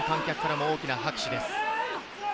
観客からも大きな拍手です。